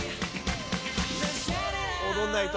踊らないと。